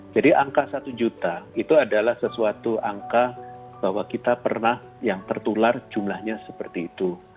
jadi angka satu juta itu adalah sesuatu angka bahwa kita pernah yang tertular jumlahnya seperti itu